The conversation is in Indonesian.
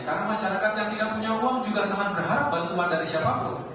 karena masyarakat yang tidak punya uang juga sangat berharap bantuan dari siapapun